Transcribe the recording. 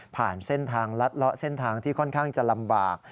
เส้นทางลัดเลาะเส้นทางที่ค่อนข้างจะลำบาก